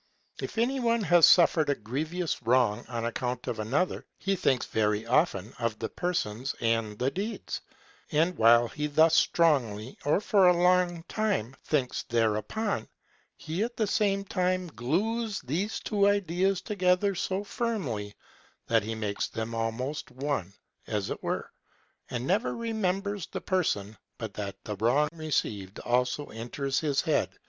If any one has suffered a grievous wrong on account of another, he thinks very often of the persons and the deed, and while he thus strongly or for a long time thinks thereupon, he at the same time glues these two ideas together so firmly, that he makes them almost one, as it were, and never remembers the person but that the wrong received also enters his head.